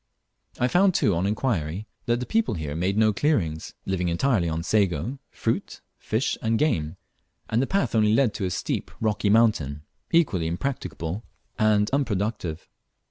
I found too on inquiry that the people here made no clearings, living entirely on sago, fruit, fish, and game; and the path only led to a steep rocky mountain equally impracticable and unproductive.